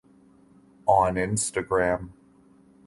On Instagram.